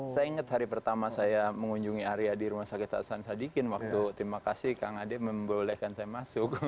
saya ingat hari pertama saya mengunjungi area di rumah sakit hasan sadikin waktu terima kasih kang ade membolehkan saya masuk